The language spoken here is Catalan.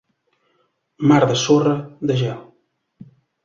Mar de sorra, de gel.